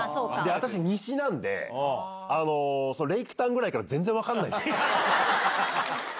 私、西なんで、レイクタウンぐらいから全然分からないんですね。